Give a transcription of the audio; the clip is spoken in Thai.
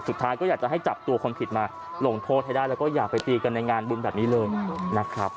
สุดท้ายก็อยากจะให้จับตัวคนผิดมาลงโทษให้ได้แล้วก็อย่าไปตีกันในงานบุญแบบนี้เลยนะครับ